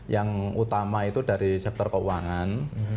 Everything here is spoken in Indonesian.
yang utama itu dari sektor keuangan